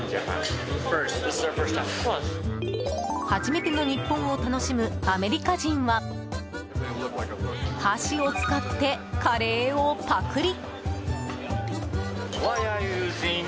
初めての日本を楽しむアメリカ人は箸を使ってカレーをパクリ。